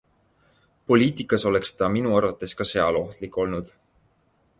Poliitikas oleks ta minu arvates ka seal ohtlik olnud.